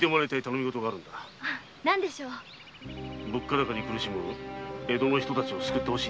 物価高に苦しむ江戸の人たちを救ってほしいのだ。